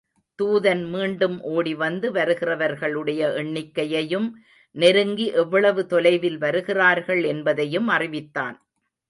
தூதன் மீண்டும் ஓடிவந்து வருகிறவர்களுடைய எண்ணிக்கையையும் நெருங்கி எவ்வளவு தொலைவில் வருகிறார்கள் என்பதையும் அறிவித்தான்.